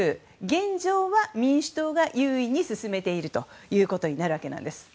現状は民主党が優位に進めているということになるわけです。